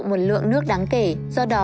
một lượng nước đáng kể do đó